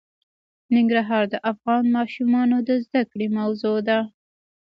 ننګرهار د افغان ماشومانو د زده کړې موضوع ده.